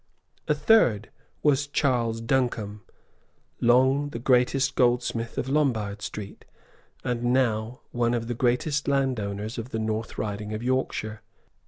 A third was Charles Duncombe, long the greatest goldsmith of Lombard Street, and now one of the greatest landowners of the North Riding of Yorkshire.